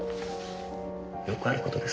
よくある事です。